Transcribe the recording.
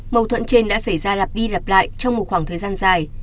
mâu thuẫn trên đã xảy ra lạp đi lạp lại trong một khoảng thời gian dài